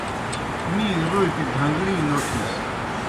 می روپیْ بھن٘گڑِی نوٹِھس۔